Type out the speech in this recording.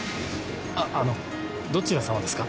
あのどちら様ですか？